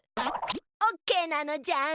オッケーなのじゃ！